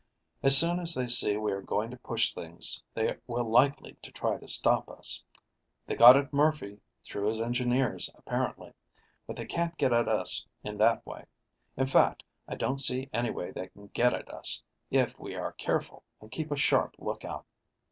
"As soon as they see we are going to push things they will likely try to stop us. They got at Murphy through his engineers, apparently. But they can't get at us in that way. In fact, I don't see any way they can get at us, if we are careful and keep a sharp lookout.